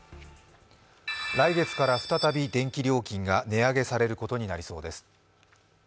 来月から再び電気料金が値上げされることになりそうです。